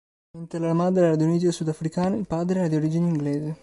Mentre la madre era di origine sudafricane, il padre era di origine inglese.